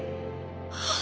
ああ！